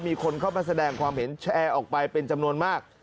มีคนเข้ามาแสดงความเห็นแชร์ออกไปเป็นจำนวนมาก